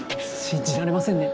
信じられませんね